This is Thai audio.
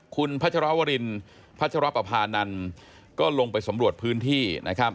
คุณพระเจราวรินพระเจราปะพานันก็ลงไปสำรวจพื้นที่